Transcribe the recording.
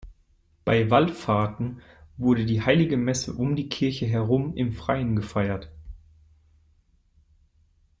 Bei Wallfahrten wurde die Heilige Messe um die Kirche herum im Freien gefeiert.